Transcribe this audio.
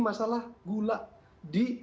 masalah gula di